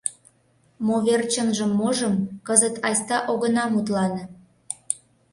— Мо верчынжым-можым кызыт айста огына мутлане...